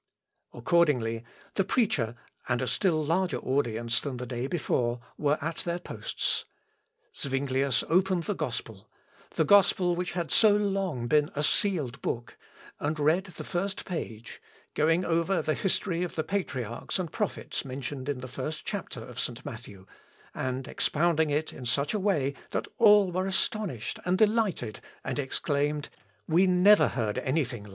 Accordingly, the preacher, and a still larger audience than the day before, were at their posts. Zuinglius opened the gospel the gospel which had so long been a sealed book and read the first page, going over the history of the patriarchs and prophets mentioned in the first chapter of St. Matthew, and expounding it in such a way that all were astonished and delighted, and exclaimed, "We never heard anything like this."